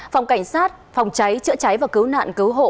phòng cảnh sát phòng cháy chữa cháy và cứu nạn cứu hộ